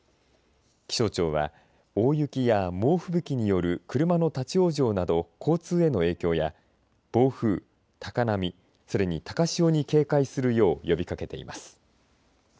気象庁は大雪や猛吹雪による車の立往生など、交通への影響や暴風、高波、それに高潮に警戒するよう呼びかけています。